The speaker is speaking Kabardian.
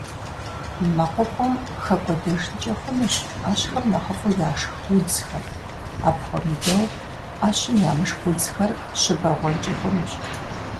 МэкъупӀэм хэкӀуэдэжынкӀэ хъунущ Ӏэщхэм нэхъыфӀу яшх удзхэр, апхуэмыдэу, Ӏэщым ямышх удзхэр щыбэгъуэнкӀи хъунущ.